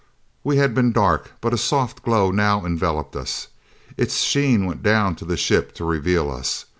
We had been dark, but a soft glow now enveloped us. Its sheen went down to the ship to reveal us.